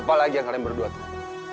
apalagi yang kalian berdua tuh